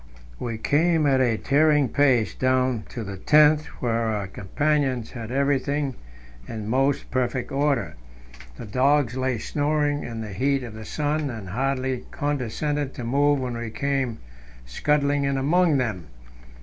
We came at a tearing pace down to the tent, where our companions had everything in most perfect order. The dogs lay snoring in the heat of the sun, and hardly condescended to move when we came scudding in among them.